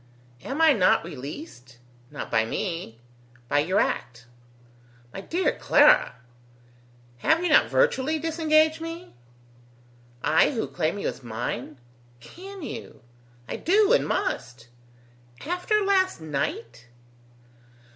"Am I not released?" "Not by me." "By your act." "My dear Clara!" "Have you not virtually disengaged me?" "I who claim you as mine?" "Can you?" "I do and must." "After last night?"